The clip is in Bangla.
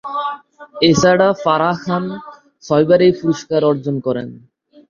এছাড়া ফারাহ খান ছয়বার এই পুরস্কার অর্জন করেন।